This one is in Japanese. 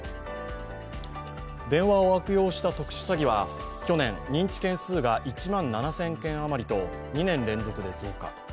電話を悪用した特殊詐欺は去年、認知件数が１万７０００件余りと２年連続で増加。